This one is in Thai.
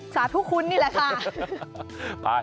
สาธุคุณนี่แหละค่ะ